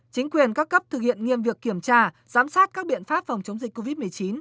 chính quyền các cấp thực hiện nghiêm việc kiểm tra giám sát các biện pháp phòng chống dịch covid một mươi chín